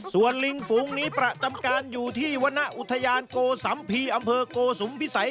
ส่วนลิงฝูงนี้ประจำการอยู่ที่วรรณอุทยานโกสัมภีร์อำเภอโกสุมพิสัย